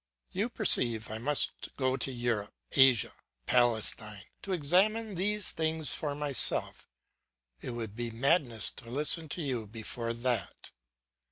You perceive I must go to Europe, Asia, Palestine, to examine these things for myself; it would be madness to listen to you before that.